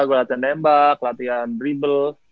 gue latihan nembak latihan drible